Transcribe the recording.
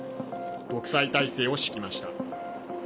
独裁体制を敷きました。